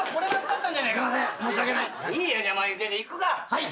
はい。